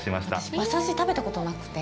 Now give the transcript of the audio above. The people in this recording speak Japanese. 私、馬刺し、食べたことなくて。